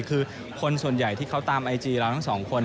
คือคนส่วนใหญ่ที่เขาตามไอจีเราทั้งสองคน